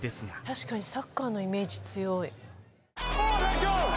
確かにサッカーのイメージ強い。